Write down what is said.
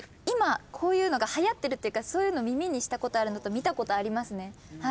今こういうのがはやってるっていうかそういうの耳にしたことあるのと見たことありますね。